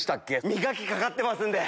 磨きかかってますんで。